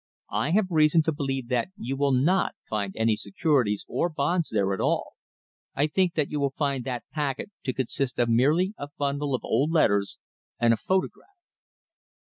I have reason to believe that you will not find any securities or bonds there at all! I believe that you will find that packet to consist of merely a bundle of old letters and a photograph!"